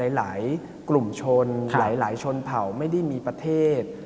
หลายกลุ่มชนหลายชนเผ่าไม่ได้มีประเทศ